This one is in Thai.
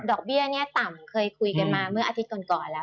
เบี้ยเนี่ยต่ำเคยคุยกันมาเมื่ออาทิตย์ก่อนแล้ว